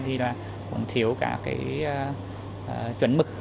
thì là cũng thiếu cả cái chuẩn mực